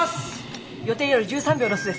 予定より１３秒ロスです。